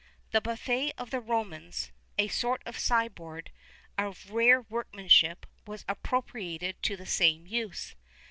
[XXXI 14] The buffet of the Romans, a sort of sideboard, of rare workmanship, was appropriated to the same use.